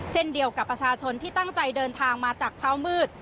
เช่นเดียวกับประชาชนที่ตั้งใจเดินทางมาจากเช้ามืด